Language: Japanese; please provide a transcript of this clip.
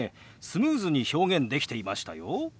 スムーズに表現できていましたよ。